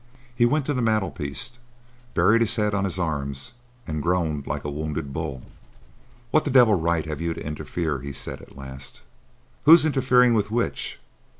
He went to the mantelpiece, buried his head on his arms, and groaned like a wounded bull. "What the devil right have you to interfere?" he said, at last. "Who's interfering with which?